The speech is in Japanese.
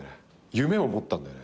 夢を持ったんだよね。